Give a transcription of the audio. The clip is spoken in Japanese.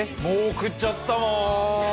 もう送っちゃったもん。